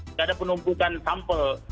tidak ada penumpukan sampel